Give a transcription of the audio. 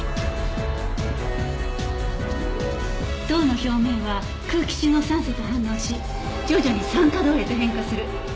銅の表面は空気中の酸素と反応し徐々に酸化銅へと変化する。